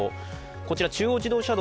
こちら中央自動車道